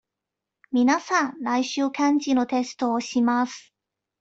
皆さん、来週漢字のテストをします。